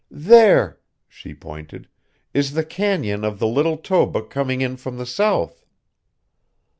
"There" she pointed "is the canyon of the Little Toba coming in from the south.